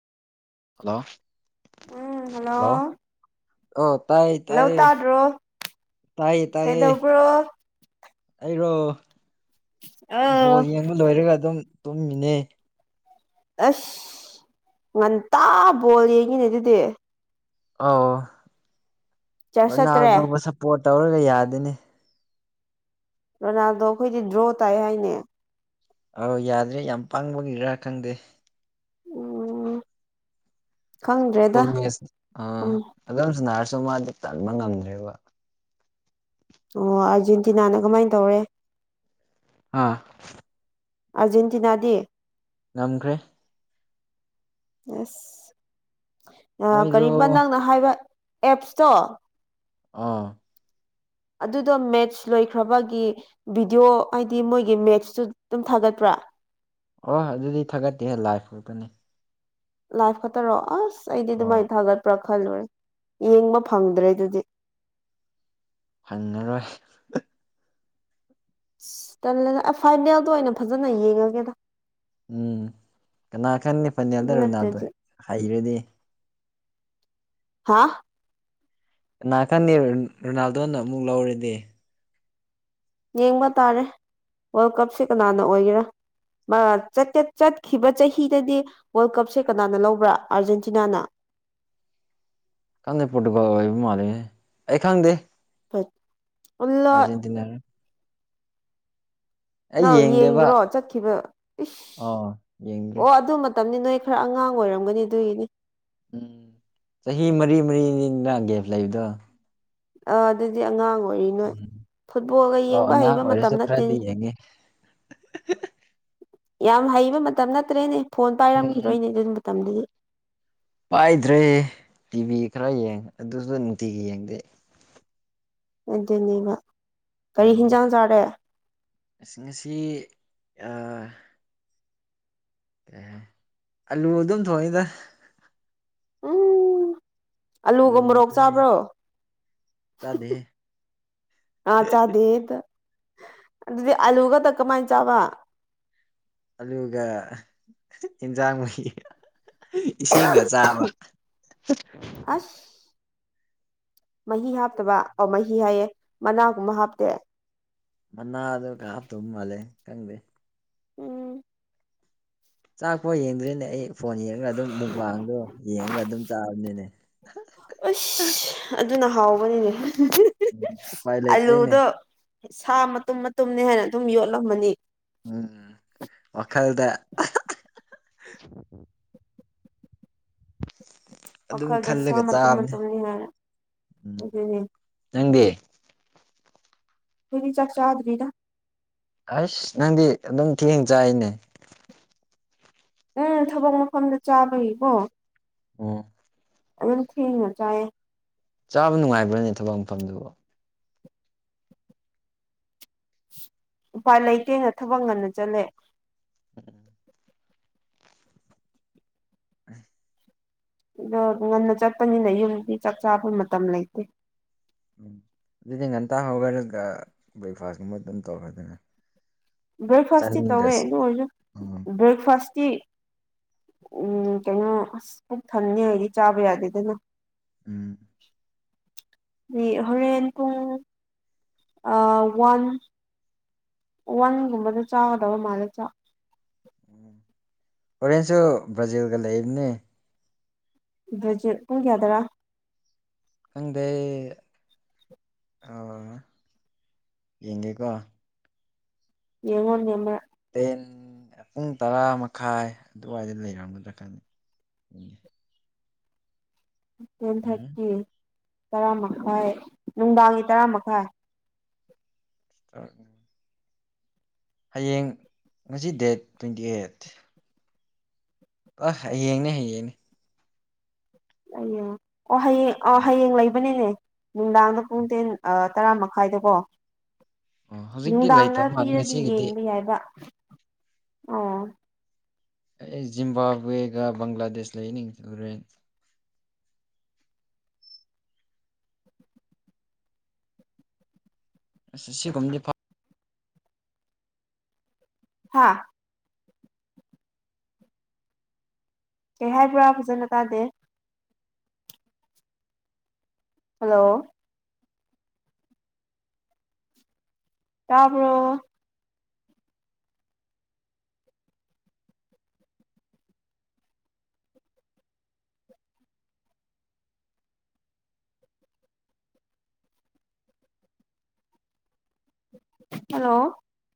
hello ꯎꯝ hello hello ꯑꯥ ꯇꯥꯏ hello ꯇꯥꯏ ꯇꯥꯗ꯭ꯔꯣ ꯀꯩꯗꯧꯕ꯭ꯔꯣ ꯑꯩꯔꯣ ꯕꯣꯜ ꯑꯥ ꯌꯦꯡꯕ ꯂꯣꯏꯔꯒ ꯑꯗꯨꯝ ꯇꯨꯝꯃꯤꯅꯦ ꯑꯁ ꯉꯟꯇꯥ ꯕꯣꯜ ꯌꯦꯡꯉꯤꯅꯦ ꯑꯗꯨꯗꯤ ꯑꯥ ꯆꯔꯆ ꯆꯠꯇ꯭ꯔꯦ ꯔꯣꯅꯥꯜꯗꯣꯕꯨ ꯁꯄꯣꯔꯠ ꯇꯧꯔꯒ ꯌꯥꯗꯅꯦ ꯔꯣꯅꯥꯜꯗꯣ ꯈꯣꯏꯗꯤ ꯗ꯭ꯔꯣ ꯇꯥꯏ ꯍꯥꯏꯅꯦ ꯑꯧ ꯌꯥꯗ꯭ꯔꯦ ꯌꯥꯝ ꯄꯥꯡꯕꯒꯤꯔ ꯈꯪꯗꯦ ꯎꯝ ꯈꯪꯗ꯭ꯔꯦꯗ ꯄꯨꯜ ꯃꯦꯖ ꯑꯥ ꯑꯣ ꯑꯗꯨꯝ ꯁꯥꯅꯥꯔꯁꯨ ꯃꯥꯗꯤ ꯆꯟꯕ ꯉꯝꯗ꯭ꯔꯦꯕ ꯑꯣ ꯑꯥꯔꯖꯦꯟꯇꯤꯅꯥꯅ ꯀꯃꯥꯏꯅ ꯇꯧꯔꯦ ꯑꯥ ꯑꯥꯖꯦꯟꯇꯤꯅꯥꯗꯤ ꯉꯝꯈ꯭ꯔꯦ ꯑꯁ ꯃꯣꯏꯗꯣ ꯀꯔꯤꯕ ꯅꯪꯅ ꯍꯥꯏꯕ ꯑꯦꯞꯁꯇꯣ ꯑꯥ ꯑꯗꯨꯗꯣ ꯃꯦꯠꯁ ꯂꯣꯏꯈ꯭ꯔꯕꯒꯤ ꯚꯤꯗꯤꯑꯣ ꯍꯥꯏꯗꯤ ꯃꯣꯏꯒꯤ ꯃꯦꯠꯁꯇꯨ ꯑꯗꯨꯝ ꯊꯥꯒꯠꯄ꯭ꯔꯥ ꯑꯥ ꯑꯥ ꯑꯗꯨꯗꯤ ꯊꯥꯒꯠꯠꯇꯦ ꯂꯥꯏꯐ ꯈꯛꯇꯅꯦ ꯂꯥꯏꯐ ꯈꯛꯇꯔꯣ ꯑꯁ ꯑꯩꯗꯤ ꯑꯣ ꯑꯗꯨꯃꯥꯏꯅ ꯊꯥꯒꯠꯄ꯭ꯔꯥ ꯈꯜꯂꯨꯔꯦ ꯌꯦꯡꯕ ꯐꯪꯗ꯭ꯔꯦ ꯑꯗꯨꯗꯤ ꯐꯪꯉꯔꯣꯏ ꯑꯁ ꯇꯜꯂꯦꯗ ꯐꯥꯏꯅꯦꯜꯗꯣ ꯑꯣꯏꯅ ꯐꯖꯅ ꯌꯦꯡꯉꯒꯦꯗ ꯎꯝ ꯀꯅꯥ ꯈꯪꯅꯤ ꯑꯗꯨ ꯐꯥꯢꯅꯦꯜꯗ ꯔꯣꯅꯥꯜꯗꯣ ꯅꯠꯇ꯭ꯔꯗꯤ ꯍꯥꯏꯔꯗꯤ ꯍꯥꯥ ꯀꯅꯥ ꯈꯪꯅꯤ ꯔꯣꯅꯥꯜꯗꯣꯅ ꯑꯃꯨꯛ ꯂꯧꯔꯗꯤ ꯌꯦꯡꯕ ꯇꯥꯔꯦ ꯋꯥꯔꯜ ꯀꯞꯁꯦ ꯀꯅꯥꯅ ꯑꯣꯏꯒꯦꯔꯥ ꯑ ꯆꯠꯇꯦ ꯆꯠꯈꯤꯕ ꯆꯍꯤꯗꯗꯤ ꯋꯥꯔꯜ ꯀꯞꯁꯦ ꯀꯅꯥꯅ ꯂꯧꯕ꯭ꯔꯥ ꯑꯥꯔꯖꯦꯟꯇꯤꯅꯥꯅ [inaudible] ꯈꯪꯗꯦ ꯄꯣꯔꯇꯨꯒꯜ ꯑꯣꯏꯕ ꯃꯥꯜꯂꯤꯅꯦ ꯑꯩ ꯈꯪꯗꯦ [unintelligible] ꯑꯜꯂ ꯑꯔꯖꯦꯟꯇꯤꯅꯥꯔ ꯅꯪ ꯌꯦꯡꯗꯦꯕ ꯌꯦꯡꯗ꯭ꯔꯣ ꯆꯠꯈꯤꯕ ꯏꯁ ꯑꯣ ꯌꯦꯡꯗ꯭ꯔꯦ ꯑꯣ ꯑꯗꯨ ꯃꯇꯝꯅꯤ ꯅꯣꯏ ꯈꯔ ꯑꯉꯥꯡ ꯑꯣꯏꯔꯝꯒꯅꯤ ꯑꯗꯨꯒꯤꯅꯤ ꯎꯝ ꯆꯍꯤ ꯃꯔꯤ ꯃꯔꯤꯅꯤꯅ ꯒꯦꯞ ꯂꯩꯕꯗꯣ ꯑꯥ ꯑꯗꯨꯗꯤ ꯑꯉꯥꯡ ꯀꯔꯤꯅꯣ ꯎꯝ ꯐꯨꯠꯕꯣꯜꯒ ꯑꯧ ꯌꯦꯡꯕ ꯑꯉꯥꯡ ꯍꯩꯕ ꯃꯇꯝ ꯑꯣꯏꯔꯁꯨ ꯈꯔꯗꯤ ꯅꯠꯇꯦꯅꯦ ꯌꯦꯡꯉꯦ ꯌꯥꯝ ꯍꯩꯕ ꯃꯇꯝ ꯅꯠꯇ꯭ꯔꯦꯅꯦ ꯐꯣꯟ ꯎꯝ ꯄꯥꯏꯔꯝꯈꯤꯔꯣꯏꯅꯦ ꯑꯗꯨ ꯃꯇꯝꯗꯨꯗꯤ ꯄꯥꯏꯗ꯭ꯔꯦ ꯇꯤꯚꯤ ꯈꯔ ꯌꯦꯡꯉ ꯑꯗꯨꯁꯨ ꯅꯨꯡꯇꯤꯒꯤ ꯌꯦꯡꯗꯦ ꯑꯗꯨꯅꯦꯕ ꯀꯔꯤ ꯍꯤꯟꯖꯥꯡ ꯆꯥꯔꯦ ꯑꯁꯤꯡ ꯉꯁꯤ ꯌꯥ ꯑꯦ ꯑꯂꯨ ꯑꯗꯨꯝ ꯊꯣꯡꯉꯤꯗ ꯎ ꯑꯂꯨ ꯑꯥꯂꯨꯒ ꯃꯣꯔꯣꯛ ꯉꯥꯛꯇꯅꯦ ꯆꯥꯕ꯭ꯔꯣ ꯍꯨꯝ ꯆꯥꯗꯦꯍꯦ ꯍꯨꯝ ꯑꯥ ꯆꯥꯗꯦꯇ ꯑꯗꯨꯗꯤ ꯑꯂꯨꯒꯗ ꯀꯃꯥꯏꯅ ꯆꯥꯕ ꯑꯂꯨꯒ ꯏꯟꯖꯥꯡ ꯃꯍꯤꯒ ꯏꯁꯤꯡꯒ ꯆꯥꯕ ꯑꯁ ꯃꯍꯤ ꯍꯥꯞꯇꯕ ꯑꯣ ꯃꯍꯤ ꯍꯥꯏꯌꯦ ꯃꯅꯥꯒꯨꯝꯕ ꯍꯥꯞꯇꯦ ꯃꯅꯥ ꯑꯗꯨ ꯀꯥꯞ ꯇꯨꯝ ꯍꯥꯞꯄ ꯃꯥꯜꯂꯦ ꯈꯪꯗꯦ ꯎꯝ ꯆꯥꯛꯄꯥꯎ ꯌꯦꯡꯗ꯭ꯔꯦꯅꯦ ꯑꯩ ꯐꯣꯟ ꯌꯦꯡꯉꯒ ꯑꯗꯨꯝ ꯃꯨꯛꯕꯥꯥꯡꯗꯣ ꯌꯦꯡꯉꯒ ꯑꯗꯨꯝ ꯆꯥꯕꯅꯤꯅꯦ ꯍꯥ ꯍꯥ ꯑꯁ ꯑꯗꯨꯅ ꯍꯥꯎꯕꯅꯤꯅꯦ ꯎꯝ ꯎꯄꯥꯏ ꯂꯩꯇ꯭ꯔꯤꯅꯦ ꯑꯂꯨꯗꯣ ꯁꯥ ꯃꯇꯨꯝ ꯃꯇꯨꯝꯅꯤ ꯍꯥꯏꯅ ꯑꯗꯨꯝ ꯌꯣꯠꯂꯝꯃꯅꯤ ꯎꯝ ꯋꯥꯈꯜꯗ ꯑꯍꯥ ꯍꯥ ꯑꯗꯨꯝ ꯋꯥꯈꯜꯗ ꯈꯜꯂꯒ ꯁꯥ ꯃꯇꯨꯝ ꯆꯥꯕꯅꯦ ꯃꯇꯨꯝꯅꯤ ꯍꯥꯏꯅ ꯎꯝ ꯎꯗꯣꯏꯅꯦ ꯅꯪꯗꯤ ꯑꯩꯈꯣꯏꯗꯤ ꯆꯥꯛ ꯆꯥꯗ꯭ꯔꯤꯗ ꯑꯁ ꯅꯪꯗꯤ ꯑꯗꯨꯝ ꯊꯦꯡ ꯆꯥꯏꯅꯦ ꯎꯝ ꯊꯕꯛ ꯃꯐꯝꯗ ꯆꯥꯕꯩꯕꯣ ꯎꯝ ꯑꯗꯨ ꯊꯦꯡꯅ ꯆꯥꯏꯌꯦ ꯆꯥꯕ ꯅꯨꯡꯉꯥꯏꯕ꯭ꯔꯅꯦ ꯊꯕꯛ ꯃꯐꯝꯗꯨꯕꯨ ꯎꯄꯥꯏ ꯂꯩꯇꯦꯅ ꯊꯕꯛ ꯉꯟꯅ ꯆꯠꯂꯦ ꯎꯝ ꯎꯝ ꯑꯗꯣ ꯉꯟꯅ ꯆꯠꯄꯅꯤꯅ ꯌꯨꯝꯗꯤ ꯆꯥꯛ ꯆꯥꯕ ꯃꯇꯝ ꯂꯩꯇꯦ ꯎꯝ ꯑꯗꯨꯗꯤ ꯉꯟꯇꯥ ꯍꯧꯈ꯭ꯔꯒ ꯕ꯭ꯔꯦꯛꯐꯥꯁꯀꯨꯝꯕ ꯑꯗꯨꯝ ꯇꯧꯔꯣꯗꯅ ꯭ꯕꯔꯦꯛꯐꯥꯁꯇꯤ ꯇꯧꯋꯦ ꯑꯗꯨꯑꯣꯏꯁꯨ ꯎꯝ ꯕ꯭ꯔꯦꯛꯐꯥꯁ ꯀꯤ ꯀꯩꯅꯣ ꯑꯁ ꯄꯨꯛ ꯊꯟꯅꯤꯡꯉꯥꯏ ꯍꯥꯏꯗꯤ ꯆꯥꯕ ꯌꯥꯗꯦꯗꯅ ꯎꯝ [inaudible] ꯑꯩ ꯍꯣꯔꯦꯟ ꯄꯨꯡ ꯋꯥꯟ ꯋꯥꯟꯒꯨꯝꯕꯗ ꯆꯥꯒꯗꯕ ꯃꯥꯜꯂꯦ ꯆ ꯎꯝ ꯍꯣꯔꯦꯟꯁꯨ ꯕ꯭ꯔꯥꯖꯤꯜꯒ ꯂꯩꯕꯅꯦ ꯭ꯕꯔꯖꯤꯠ ꯄꯨꯡ ꯀꯌꯥꯗꯔꯥ ꯈꯪꯗꯦ ꯑꯩ ꯑꯥ ꯌꯦꯡꯒꯦꯀꯣ ꯌꯦꯡꯉꯣꯅꯦ ꯃꯔꯛ ꯇꯦꯟ ꯄꯨꯡ ꯇꯔꯥ ꯃꯈꯥꯏ ꯑꯗꯨꯋꯥꯏꯗ ꯂꯩꯔꯝꯒꯗ꯭ꯔꯀꯥꯅꯤ ꯇꯦꯟ ꯊꯥꯔꯇꯤ ꯇꯔꯥ ꯃꯈꯥꯏ ꯅꯨꯡꯗꯥꯡꯒꯤ ꯇꯔꯥ ꯃꯈꯥꯏ [unintelligible] ꯍꯌꯦꯡ ꯉꯁꯤ ꯗꯦꯠ ꯇ꯭ꯋꯦꯟꯇꯤ ꯑꯩꯠ ꯑꯣ ꯌꯦꯡꯅꯦ ꯍꯌꯦꯡꯅꯦ ꯑꯌꯦꯡ ꯑꯣ ꯍꯌꯦꯡ ꯑꯣ ꯍꯌꯦꯡ ꯂꯩꯕꯅꯤꯅꯦ ꯅꯨꯡꯗꯥꯡꯗ ꯄꯨꯡ ꯇꯦꯟ ꯇꯔꯥ ꯃꯈꯥꯏꯗꯀꯣ ꯑꯣ ꯍꯧꯖꯤꯛꯇꯤ ꯅꯨꯡꯗꯥꯡꯅ ꯂꯩꯇꯕ ꯃꯥꯜꯂꯤ ꯄꯤꯔꯗꯤ ꯉꯁꯤꯒꯤꯗꯤ ꯌꯦꯡꯕ ꯌꯥꯏꯕ ꯑꯣ ꯑꯦ ꯖꯤꯝꯕꯥꯥꯕꯋꯦꯒ ꯕꯪꯒ꯭ꯂꯥꯗꯦꯁ ꯂꯩꯅꯤ ꯍꯨꯔꯦꯟ ꯑꯁꯤ ꯁꯤꯒꯨꯝꯕꯗꯤ ꯐꯥꯎ ꯍꯥꯥ ꯀꯩ ꯍꯥꯏꯕ꯭ꯔꯥ ꯐꯖꯅ ꯇꯥꯗꯦ ꯍꯜꯂꯣ ꯇꯥꯕ꯭ꯔꯣ ꯍꯜꯂꯣ